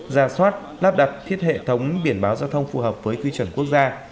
gia soát lắp đặt thiết hệ thống biển báo giao thông phù hợp với quy truẩn quốc gia